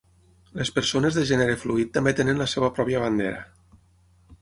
Les persones de gènere fluid també tenen la seva pròpia bandera.